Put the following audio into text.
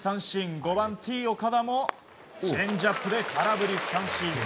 ５番、Ｔ‐岡田もチェンジアップで空振り三振。